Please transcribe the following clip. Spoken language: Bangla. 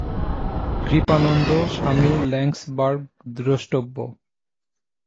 কৃপানন্দ, স্বামী ল্যাণ্ডসবার্গ দ্রষ্টব্য।